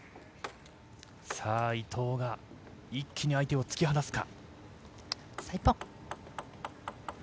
伊藤が一気に相手を突き放すか。